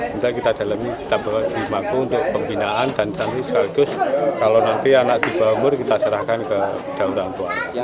nanti kita dalam ini kita berimaku untuk pembinaan dan nanti sekaligus kalau nanti anak tiba umur kita serahkan ke daun daun tua